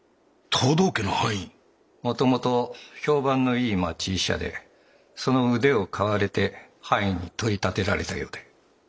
もともと評判のいい町医者でその腕を買われて藩医に取り立てられたようで。